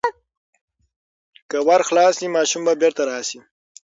که ور خلاص شي، ماشوم به بیرته راشي.